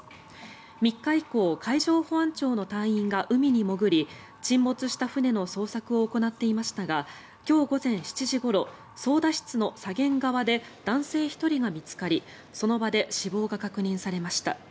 ３日以降海上保安庁の隊員が海に潜り沈没した船の捜索を行っていましたが今日午前７時ごろ操舵室の左舷側で男性１人が見つかりその場で死亡が確認されました。